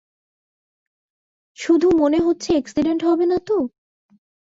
শুধু মনে হচ্ছে অ্যাকসিডেন্ট হবে না তো?